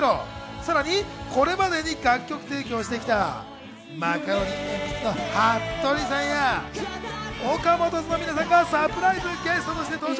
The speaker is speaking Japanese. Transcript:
さらに、これまでに楽曲提供してきたマカロニえんぴつのはっとりさんや、ＯＫＡＭＯＴＯ’Ｓの皆さんがサプライズゲストとして登場。